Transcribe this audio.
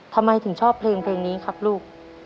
ทำไมถึงชอบเพลงนี้ครับลูก